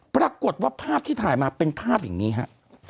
ปรากฏว่าภาพที่ถ่ายมาเป็นภาพอย่างนี้ฮะ